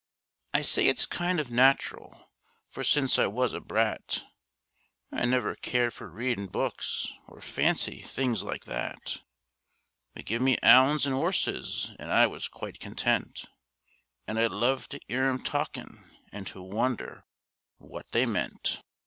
I say it's kind of natural, for since I was a brat I never cared for readin' books, or fancy things like that; But give me 'ounds and 'orses an' I was quite content, An' I loved to ear 'em talkin' and to wonder what they meant.